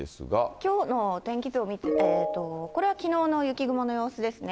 きょうの天気図、これはきのうの雪雲の様子ですね。